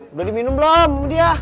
udah diminum belum dia